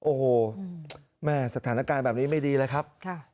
โอ้โหแม่สถานการณ์แบบนี้ไม่ดีเลยครับ